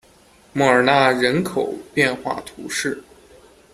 莫尔纳人口变化图示